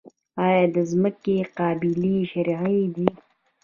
آیا د ځمکې قبالې شرعي دي؟